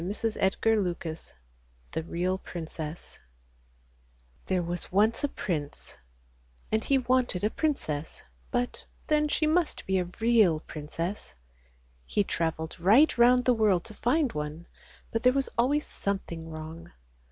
7?P ' ^'^Q* " CjQQ chcR£Ai PRinccss THERE was once a prince, and he wanted a princess, but then she must be a real princess. He travelled right round the world to find one, but there was always something wrong.